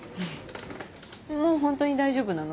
もう本当に大丈夫なの？